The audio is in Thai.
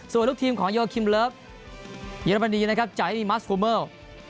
ส่วนลูกทีมของโยคิมเลิฟเยอรมนีนะครับจารินีมัสกูเมิล